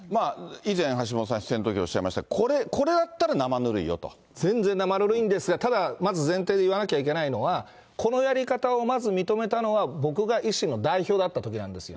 以前、橋下さんおっしゃいました、これ、全然生ぬるいんですが、ただまず前提で言わなきゃいけないのは、このやり方をまず認めたのは、僕が維新の代表だったときなんですよ。